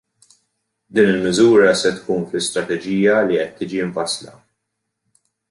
Din il-miżura se tkun fl-istrateġija li qed tiġi mfassla.